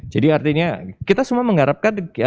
jadi artinya kita semua mengharapkan